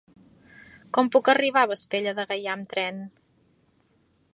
Com puc arribar a Vespella de Gaià amb tren?